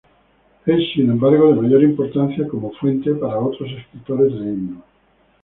Es, sin embargo, de mayor importancia como fuente para otros escritores de himnos.